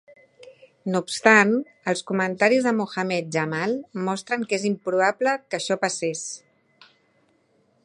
No obstant, els comentaris de Mohammed Jamal mostren que és improbable que això passés.